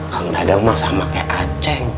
kak nganang memang sama seperti aceh